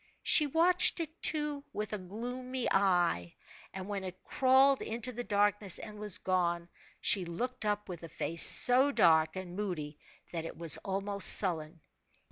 She watched it, too, with a gloomy eye, and when it crawled into the darkness and was gone, she looked up with a face so dark and moody that it was almost sullen.